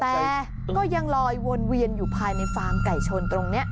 แต่ก็ยังลอยวนเวียนอยู่ภายในฟาร์มไก่ชนตรงนี้